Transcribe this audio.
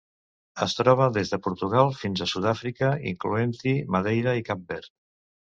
Es troba des de Portugal fins a Sud-àfrica, incloent-hi Madeira i Cap Verd.